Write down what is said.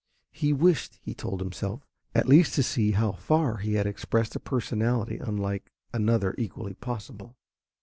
He wished, he told himself, at least to see how far he had expressed a personality unlike another equally possible.